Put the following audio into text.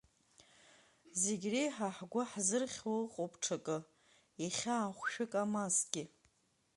Зегь реиҳа ҳгәы ҳзырхьуа иҟоуп ҽакы, ихьаа хәшәык амазҭгьы?